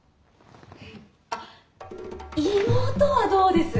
あっ妹はどうです？